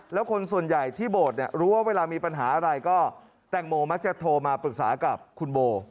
แล้วคนส่วนใหญ่ที่โบสถ์เนี่ยรู้ว่าเวลามีปัญหาอะไรก็แตงโมมักจะโทรมาปรึกษากับคุณโบ